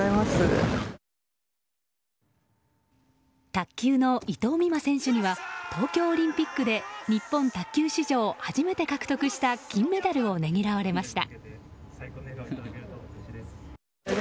卓球の伊藤美誠選手には東京オリンピックで日本卓球史上初めて獲得した金メダルをねぎらわれました。